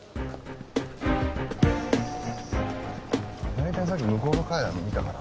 大体さっき向こうの界隈はもう見たから。